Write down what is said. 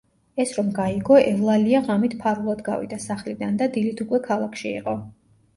ეს რომ გაიგო, ევლალია ღამით ფარულად გავიდა სახლიდან და დილით უკვე ქალაქში იყო.